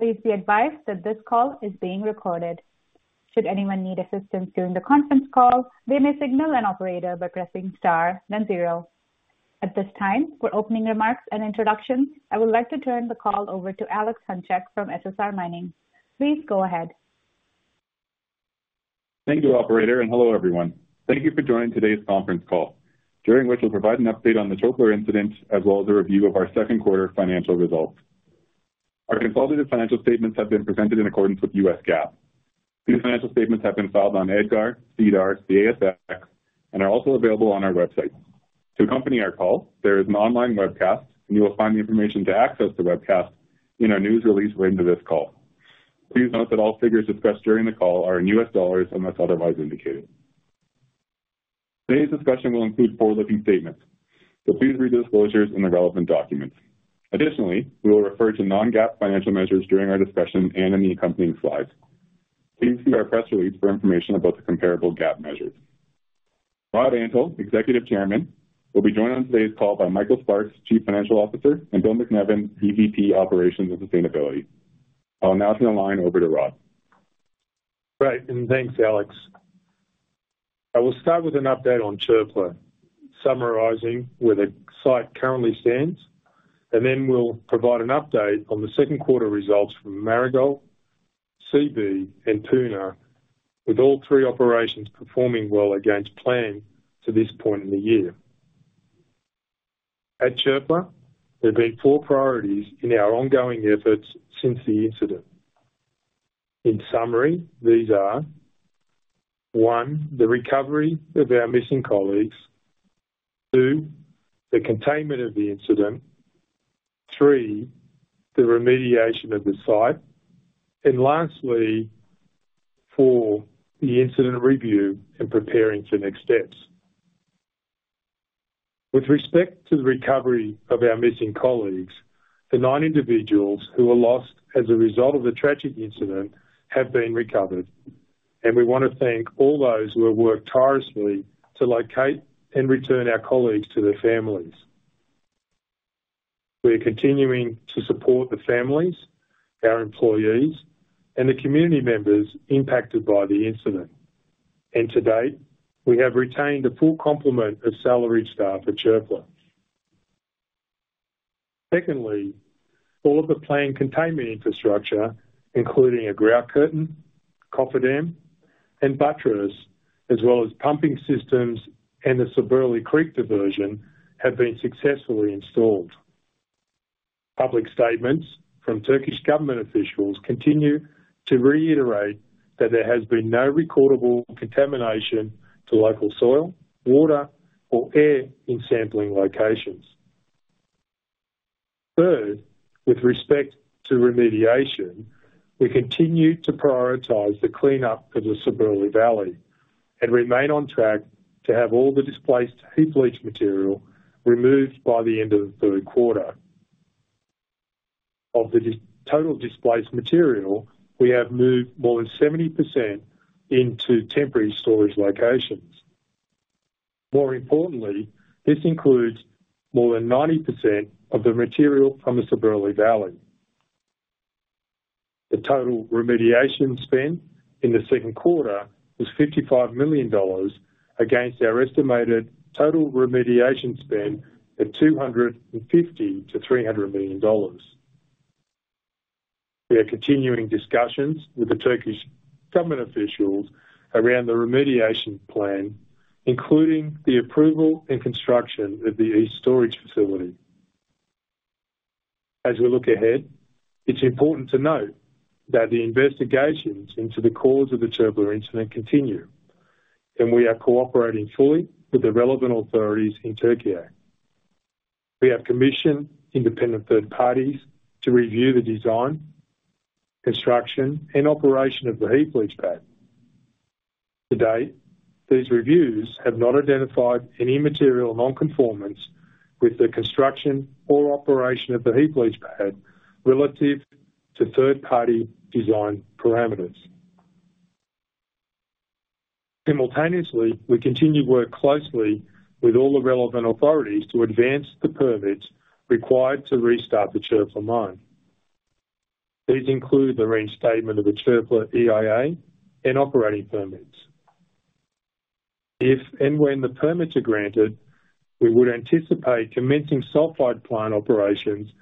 Please be advised that this call is being recorded. Should anyone need assistance during the conference call, they may signal an operator by pressing Star then zero. At this time, for opening remarks and introductions, I would like to turn the call over to Alex Hunchak from SSR Mining. Please go ahead. Thank you, operator, and hello, everyone. Thank you for joining today's conference call, during which we'll provide an update on the Çöpler incident, as well as a review of our second quarter financial results. Our consolidated financial statements have been presented in accordance with US GAAP. These financial statements have been filed on EDGAR, SEDAR, the ASX, and are also available on our website. To accompany our call, there is an online webcast and you will find the information to access the webcast in our news release related to this call. Please note that all figures discussed during the call are in US dollars, unless otherwise indicated. Today's discussion will include forward-looking statements, so please read disclosures in the relevant documents. Additionally, we will refer to non-GAAP financial measures during our discussion and in the accompanying slides. Please see our press release for information about the comparable GAAP measures. Rod Antal, Executive Chairman, will be joined on today's call by Michael Sparks, Chief Financial Officer, and Bill MacNevin, EVP, Operations and Sustainability. I'll now turn the line over to Rod. Great, and thanks, Alex. I will start with an update on Çöpler, summarizing where the site currently stands, and then we'll provide an update on the second quarter results from Marigold, Seabee, and Puna, with all three operations performing well against plan to this point in the year. At Çöpler, there have been four priorities in our ongoing efforts since the incident. In summary, these are: one, the recovery of our missing colleagues. Two, the containment of the incident. Three, the remediation of the site. And lastly, four, the incident review and preparing for next steps. With respect to the recovery of our missing colleagues, the nine individuals who were lost as a result of the tragic incident have been recovered, and we want to thank all those who have worked tirelessly to locate and return our colleagues to their families. We are continuing to support the families, our employees, and the community members impacted by the incident. To date, we have retained a full complement of salaried staff at Çöpler. Secondly, all of the planned containment infrastructure, including a grout curtain, cofferdam, and buttress, as well as pumping systems and the Sabırlı Creek diversion, have been successfully installed. Public statements from Turkish government officials continue to reiterate that there has been no recordable contamination to local soil, water or air in sampling locations. Third, with respect to remediation, we continue to prioritize the cleanup of the Sabırlı Valley and remain on track to have all the displaced heap leach material removed by the end of the third quarter. Of the total displaced material, we have moved more than 70% into temporary storage locations. More importantly, this includes more than 90% of the material from the Sabırlı Valley. The total remediation spend in the second quarter was $55 million, against our estimated total remediation spend of $250 million-$300 million. We are continuing discussions with the Turkish government officials around the remediation plan, including the approval and construction of the East Storage Facility. As we look ahead, it's important to note that the investigations into the cause of the Çöpler incident continue, and we are cooperating fully with the relevant authorities in Türkiye. We have commissioned independent third parties to review the design, construction, and operation of the heap leach pad. To date, these reviews have not identified any material non-conformance with the construction or operation of the heap leach pad relative to third-party design parameters. Simultaneously, we continue to work closely with all the relevant authorities to advance the permits required to restart the Çöpler mine. These include the reinstatement of the Çöpler EIA and operating permits. If and when the permits are granted, we would anticipate commencing sulfide plant operations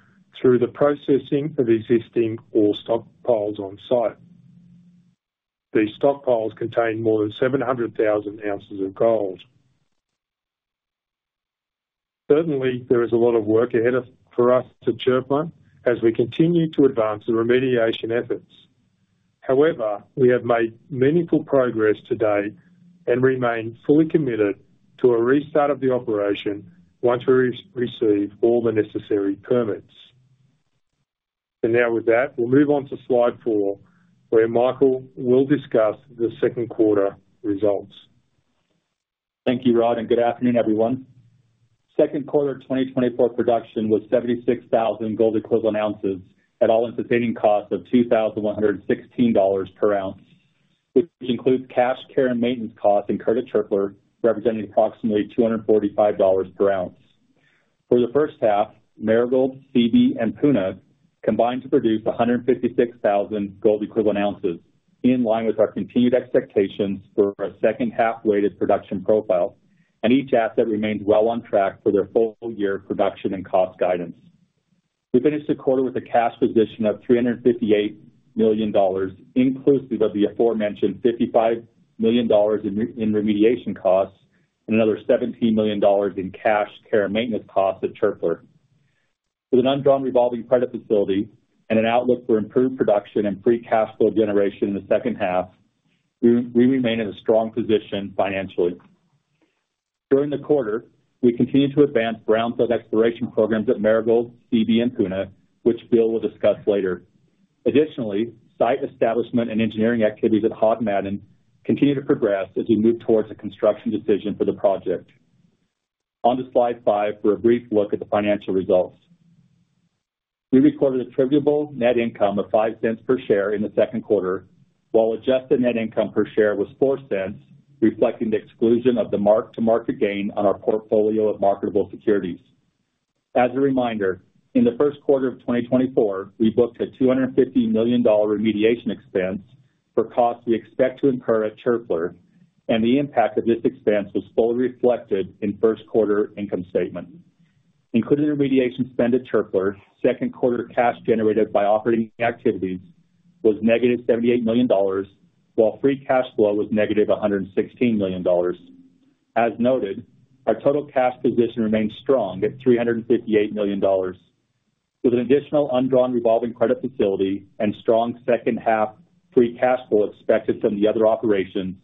through the processing of existing ore stockpiles on site. These stockpiles contain more than 700,000 ounces of gold. Certainly, there is a lot of work ahead of, for us to Çöpler as we continue to advance the remediation efforts. However, we have made meaningful progress to date and remain fully committed to a restart of the operation once we receive all the necessary permits. Now with that, we'll move on to slide 4, where Michael will discuss the second quarter results. Thank you, Rod, and good afternoon, everyone. Second quarter of 2024 production was 76,000 gold equivalent ounces at all-in sustaining costs of $2,116 per ounce, which includes cash, care, and maintenance costs in Chinchillas, representing approximately $245 per ounce. ...For the first half, Marigold, Seabee, and Puna combined to produce 156,000 gold equivalent ounces, in line with our continued expectations for a second half-weighted production profile, and each asset remains well on track for their full year production and cost guidance. We finished the quarter with a cash position of $358 million, inclusive of the aforementioned $55 million in remediation costs and another $17 million in cash care and maintenance costs at Çöpler. With an undrawn revolving credit facility and an outlook for improved production and free cash flow generation in the second half, we remain in a strong position financially. During the quarter, we continued to advance brownfield exploration programs at Marigold, Seabee, and Puna, which Bill will discuss later. Additionally, site establishment and engineering activities at Hod Maden continue to progress as we move towards a construction decision for the project. On to Slide 5 for a brief look at the financial results. We recorded attributable net income of $0.05 per share in the second quarter, while adjusted net income per share was $0.04, reflecting the exclusion of the mark-to-market gain on our portfolio of marketable securities. As a reminder, in the first quarter of 2024, we booked a $250 million remediation expense for costs we expect to incur at Çöpler, and the impact of this expense was fully reflected in first quarter income statement. Including the remediation spend at Çöpler, second quarter cash generated by operating activities was -$78 million, while free cash flow was -$116 million. As noted, our total cash position remains strong at $358 million. With an additional undrawn revolving credit facility and strong second half free cash flow expected from the other operations,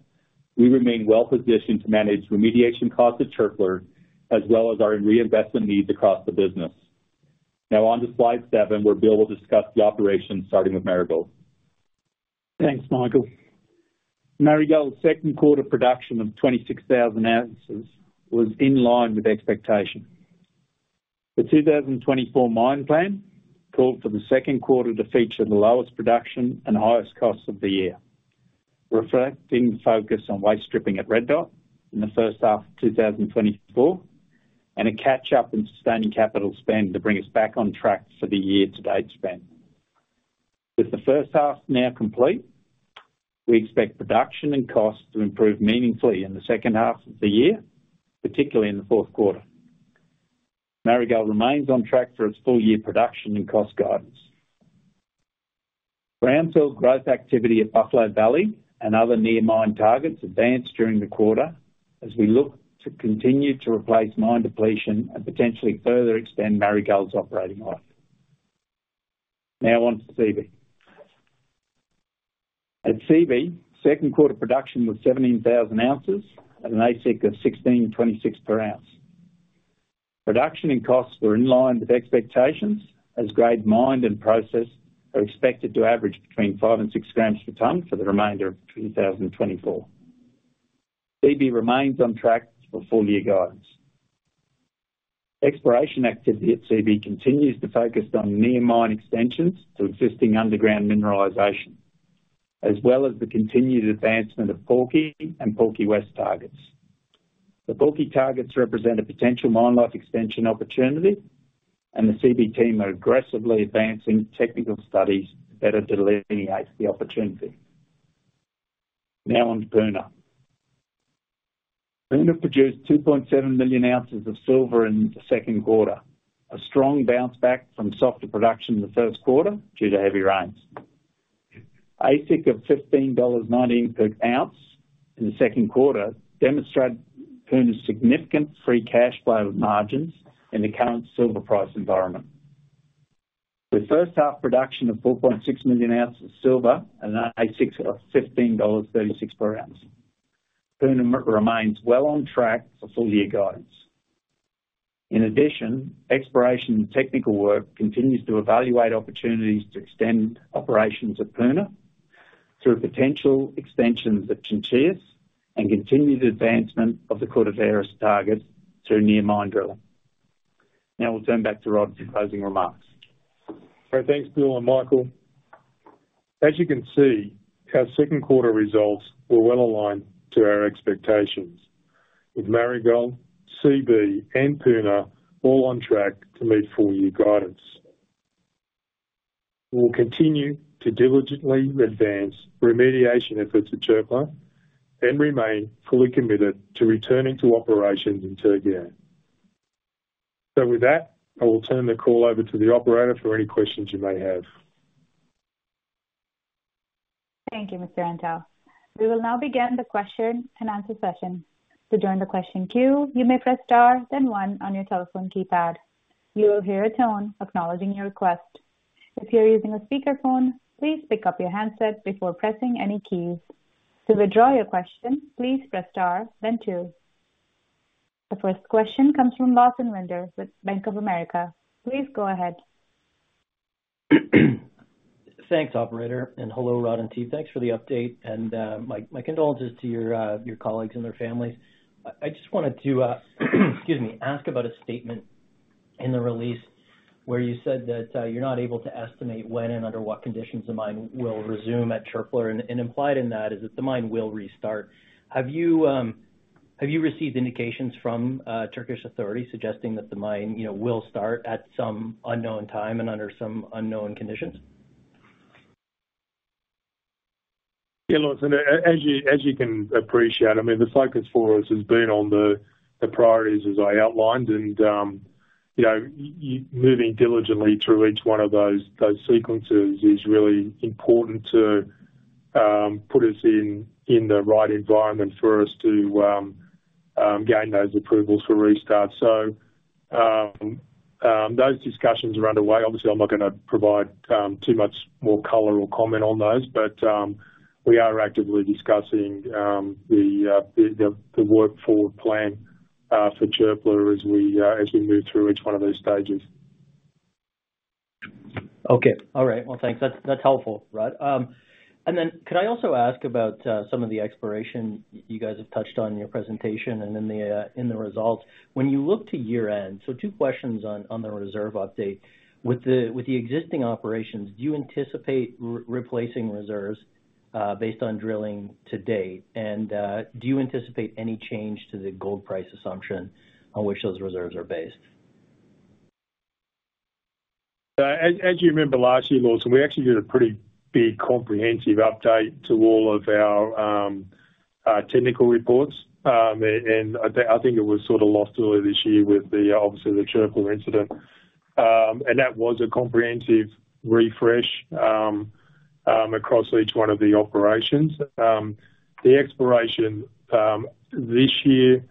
we remain well positioned to manage remediation costs at Çöpler, as well as our reinvestment needs across the business. Now on to Slide 7, where Bill will discuss the operations, starting with Marigold. Thanks, Michael. Marigold's second quarter production of 26,000 ounces was in line with expectation. The 2024 mine plan called for the second quarter to feature the lowest production and highest costs of the year, reflecting the focus on waste stripping at Red Dot in the first half of 2024, and a catch-up in sustaining capital spend to bring us back on track for the year to date spend. With the first half now complete, we expect production and costs to improve meaningfully in the second half of the year, particularly in the fourth quarter. Marigold remains on track for its full-year production and cost guidance. Brownfield growth activity at Buffalo Valley and other near mine targets advanced during the quarter as we look to continue to replace mine depletion and potentially further extend Marigold's operating life. Now on to Seabee. At Seabee, second quarter production was 17,000 ounces at an AISC of $1,626 per ounce. Production and costs were in line with expectations, as grade, mined, and processed are expected to average between 5 and 6 grams per tonne for the remainder of 2024. Seabee remains on track for full-year guidance. Exploration activity at Seabee continues to focus on near mine extensions to existing underground mineralization, as well as the continued advancement of Porky and Porky West targets. The Porky targets represent a potential mine life extension opportunity, and the Seabee team are aggressively advancing technical studies to better delineate the opportunity. Now on to Puna. Puna produced 2.7 million ounces of silver in the second quarter, a strong bounce back from softer production in the first quarter due to heavy rains. AISC of $15.90 per ounce in the second quarter demonstrated Puna's significant free cash flow margins in the current silver price environment. With first half production of 4.6 million ounces of silver and an AISC of $15.36 per ounce, Puna remains well on track for full year guidance. In addition, exploration and technical work continues to evaluate opportunities to extend operations at Puna through potential extensions at Chinchillas and continued advancement of the Cortaderas target through near mine drilling. Now we'll turn back to Rod for closing remarks. Thanks, Bill and Michael. As you can see, our second quarter results were well aligned to our expectations, with Marigold, Seabee, and Puna all on track to meet full year guidance. We'll continue to diligently advance remediation efforts at Çöpler and remain fully committed to returning to operations in Türkiye. So with that, I will turn the call over to the operator for any questions you may have. Thank you, Mr. Antal. We will now begin the question-and-answer session. To join the question queue, you may press star, then one on your telephone keypad. You will hear a tone acknowledging your request. If you're using a speakerphone, please pick up your handset before pressing any keys. To withdraw your question, please press star then two. The first question comes from Lawson Winder with Bank of America. Please go ahead. Thanks, operator. Hello, Rod and team. Thanks for the update and my condolences to your colleagues and their families. I just wanted to excuse me, ask about a statement in the release- ... where you said that you're not able to estimate when and under what conditions the mine will resume at Çöpler. And implied in that is that the mine will restart. Have you received indications from Turkish authorities suggesting that the mine, you know, will start at some unknown time and under some unknown conditions? Yeah, Lawson, as you can appreciate, I mean, the focus for us has been on the priorities as I outlined, and, you know, moving diligently through each one of those sequences is really important to put us in the right environment for us to gain those approvals for restart. So, those discussions are underway. Obviously, I'm not gonna provide too much more color or comment on those, but, we are actively discussing the work forward plan for Çöpler as we move through each one of those stages. Okay. All right. Well, thanks. That's helpful, Rod. And then could I also ask about some of the exploration you guys have touched on in your presentation and in the results. When you look to year end, so two questions on the reserve update. With the existing operations, do you anticipate replacing reserves based on drilling to date? And do you anticipate any change to the gold price assumption on which those reserves are based? As you remember, last year, Lawson, we actually did a pretty big comprehensive update to all of our technical reports. And I think it was sort of lost earlier this year with the obvious Çöpler incident. And that was a comprehensive refresh across each one of the operations. The exploration this year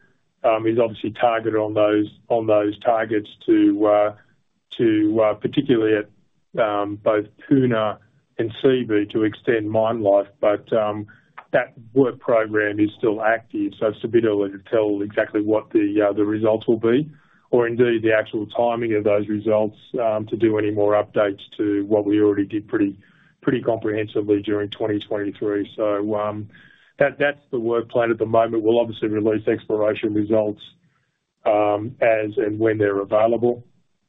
is obviously targeted on those targets, particularly at both Puna and Seabee, to extend mine life. But that work program is still active, so it's a bit early to tell exactly what the results will be, or indeed, the actual timing of those results, to do any more updates to what we already did pretty comprehensively during 2023. So that's the work plan at the moment. We'll obviously release exploration results, as and when they're available,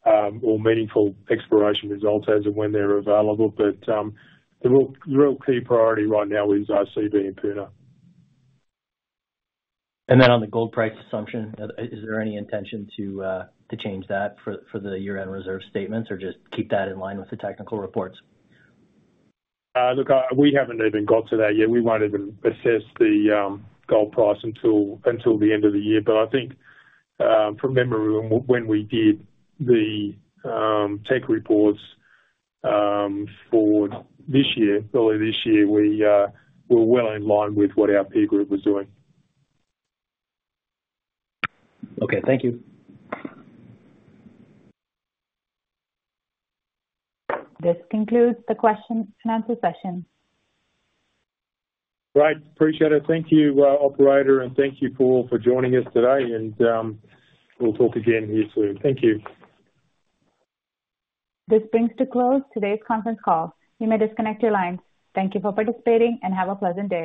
or meaningful exploration results as and when they're available. But, the real key priority right now is our Seabee and Puna. Then on the gold price assumption, is there any intention to change that for the year-end reserve statements, or just keep that in line with the technical reports? Look, we haven't even got to that yet. We won't even assess the gold price until the end of the year. But I think, from memory, when we did the tech reports for this year, early this year, we're well in line with what our peer group was doing. Okay, thank you. This concludes the question and answer session. Great. Appreciate it. Thank you, operator, and thank you all for joining us today, and we'll talk again here soon. Thank you. This brings to close today's conference call. You may disconnect your lines. Thank you for participating, and have a pleasant day.